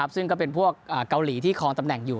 ซึ่งก็เป็นพวกเกาหลีที่คลองตำแหน่งอยู่